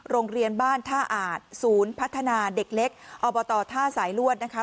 โรงเรียนบ้านท่าอาจศูนย์พัฒนาเด็กเล็กอบตท่าสายลวดนะคะ